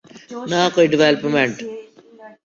نہ کوئی ڈویلپمنٹ۔